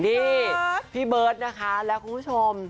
นี่พี่เบิร์ตนะคะและคุณผู้ชม